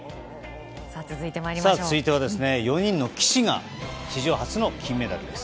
続いては、４人の騎士が史上初の金メダルです。